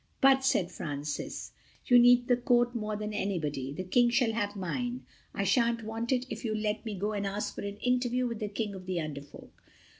"But," said Francis, "you need the coat more than anybody. The King shall have mine—I shan't want it if you'll let me go and ask for an interview with the King of the Under Folk."